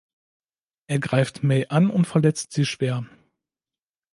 Er greift Mei an und verletzt sie schwer.